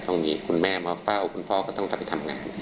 ต้องมีคุณแม่มาเฝ้าคุณพ่อก็ต้องไปทำงาน